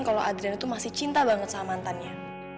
kalo adriana tu masih cinta banget sama mantannya